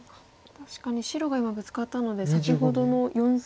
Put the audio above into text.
確かに白が今ブツカったので先ほどの４線の。